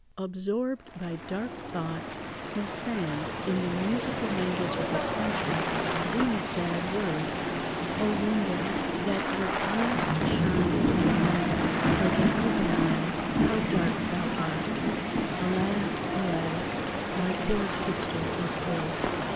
Absorbed by dark thoughts, he sang, in the musical language of his country, these sad words:— "O window, that wert used to shine in the night like an open eye, how dark thou art! Alas, alas! my poor sister is ill.